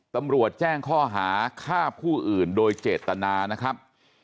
ตำรวจแจ้งข้อหาฆ่าผู้อื่นโดยเจตนานะครับ